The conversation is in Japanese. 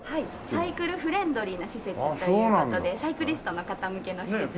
サイクルフレンドリーな施設という事でサイクリストの方向けの施設になっております。